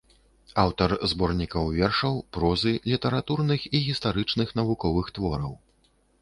Аўтар зборнікаў вершаў, прозы, літаратурных і гістарычных навуковых твораў.